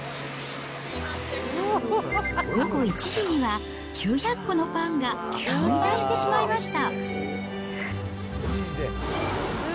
午後１時には９００個のパンが完売してしまいました。